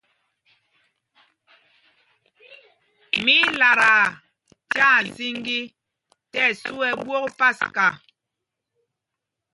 Mí í lataa tyaa zīŋgī tí ɛsu ɛ ɓwok paska.